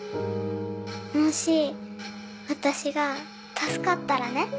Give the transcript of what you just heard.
もし私が助かったらね。